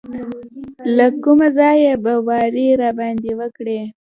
له کومه ځایه به واری راباندې وکړي.